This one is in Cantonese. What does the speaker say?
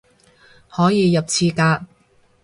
可以入廁格